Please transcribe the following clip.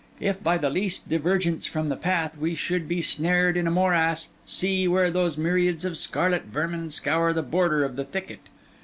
If, by the least divergence from the path, we should be snared in a morass, see, where those myriads of scarlet vermin scour the border of the thicket!